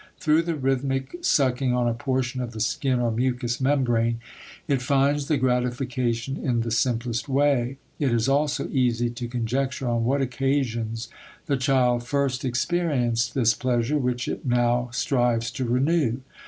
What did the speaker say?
Through the rhythmic sucking on a portion of the skin or mucous membrane it finds the gratification in the simplest way. It is also easy to conjecture on what occasions the child first experienced this pleasure which it now strives to renew.